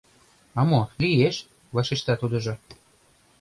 — А мо, лиеш! — вашешта тудыжо.